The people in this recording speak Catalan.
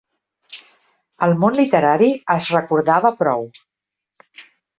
El món literari es recordava prou.